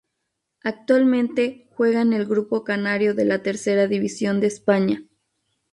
Actualmente juega en el grupo canario de la Tercera División de España.